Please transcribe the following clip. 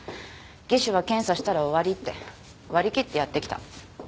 技師は検査したら終わりって割り切ってやってきた。